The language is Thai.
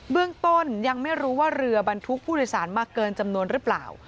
เรื่องต้นยังไม่รู้ว่าเรือบรรทุกผู้โดยสารมาเกินจำนวนหรือเปล่า